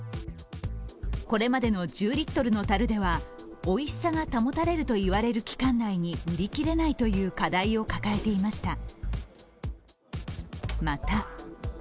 これまでの１０リットルのたるではおいしさが保たれるといわれる期間内に売り切れないという課題を抱えていました。